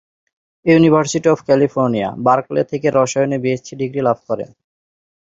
University of California, Berkeley থেকে রসায়নে BSc degree লাভ করেন।